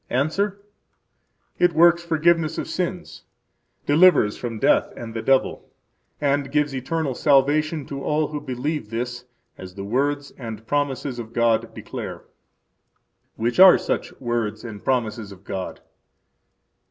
–Answer: It works forgiveness of sins, delivers from death and the devil, and gives eternal salvation to all who believe this, as the words and promises of God declare. Which are such words and promises of God?